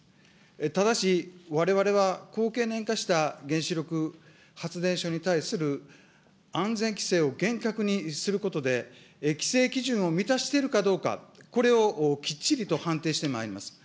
ただし、われわれは高経年化した原子力発電所に対する安全規制を厳格にすることで、規制基準を満たしているかどうか、これをきっちりと判定してまいります。